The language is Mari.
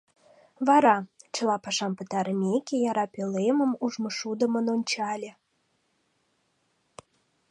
Вара, чыла пашам пытарымеке, яра пӧлемым ужмышудымын ончале.